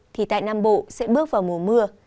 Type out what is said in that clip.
thì tại nam bộ sẽ bước vào mùa mưa